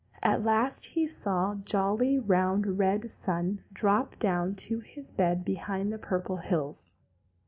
At last he saw jolly, round, red Mr. Sun drop down to his bed behind the Purple Hills.